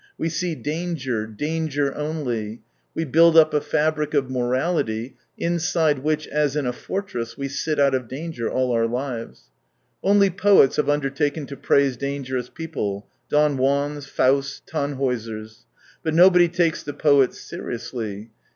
We see danger, danger only, we build up a fabric of morality inside which as in a fortress we sit out of danger all our lives. Only poets have undertaken to praise dangerous people — Don Juans, Fausts, Tannhaiisers. But nobody takes the poets seriously.